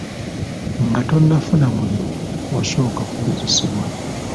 Nga tonafuna mulimu osooka kugezesebwa.